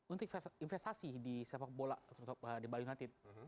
untuk investasi di sepak bola di bali united